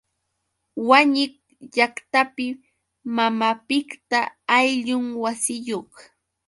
Wañik llaqtapi mamapiqta ayllun wasiyuq.